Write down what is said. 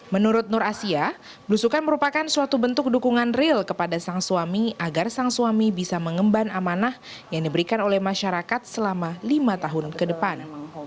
menurut nur asia belusukan merupakan suatu bentuk dukungan real kepada sang suami agar sang suami bisa mengemban amanah yang diberikan oleh masyarakat selama lima tahun ke depan